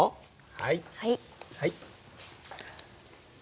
はい。